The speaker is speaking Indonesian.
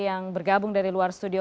yang bergabung dari luar studio